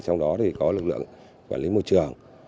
trong đó có lực lượng quản lý môi trường